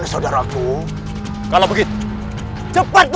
kalian milik pak jajan lagi